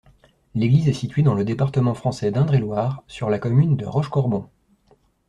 L'église est située dans le département français d'Indre-et-Loire, sur la commune de Rochecorbon.